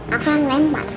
aku yang lempar